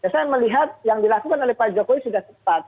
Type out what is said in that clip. saya melihat yang dilakukan oleh pak jokowi sudah tepat